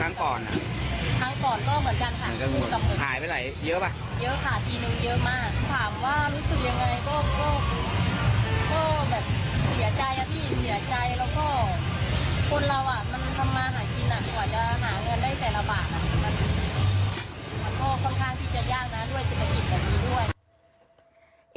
มันก็ค่อนข้างที่จะยากนะด้วยเศรษฐกิจแบบนี้ด้วย